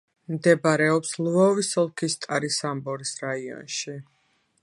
მდებარეობს ლვოვის ოლქის სტარი-სამბორის რაიონში.